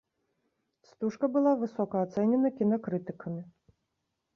Стужка была высока ацэненая кінакрытыкамі.